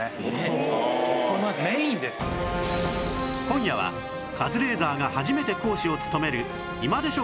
今夜はカズレーザーが初めて講師を務める『今でしょ！